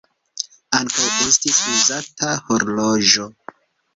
Ankaŭ estis uzata horloĝo.